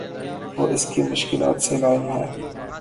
وہ اس کی مشکلات سے لاعلم ہے